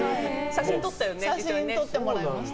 写真撮ってもらいました。